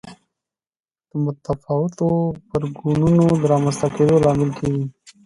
د متفاوتو غبرګونونو د رامنځته کېدو لامل کېږي.